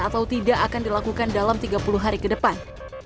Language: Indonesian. atau tidak akan dilakukan dalam tiga puluh hari ke depan